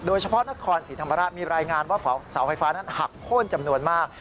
นครศรีธรรมราชมีรายงานว่าเสาไฟฟ้านั้นหักโค้นจำนวนมาก